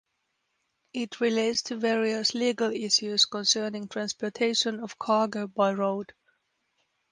It relates to various legal issues concerning transportation of cargo by road.